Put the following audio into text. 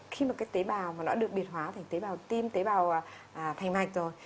khi mà cái tế bào mà nó được biệt hóa thành tế bào tim tế bào thành mạch rồi